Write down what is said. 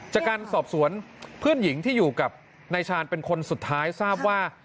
จากการสอบสวนเพื่อนหญิงที่อยู่กับนายชาญเป็นคนสุดท้ายทราบว่า